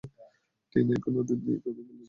টিনা, এখন অতীত নিয়ে কথা বলে কি লাভ।